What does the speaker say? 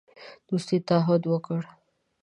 دوستی تعهد وکړ.